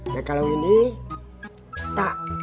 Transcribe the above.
nah kalau ini tak